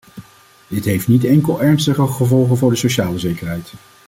Dit heeft niet enkel ernstige gevolgen voor de sociale zekerheid.